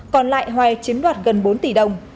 còn lại hoài chiếm đoạt gần bốn tỷ đồng